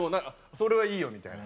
それはいいよみたいな。